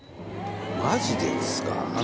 「マジですか？」